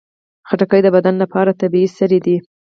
خټکی د بدن لپاره طبیعي سري دي.